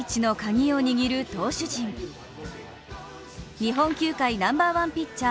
日本球界ナンバーワンピッチャー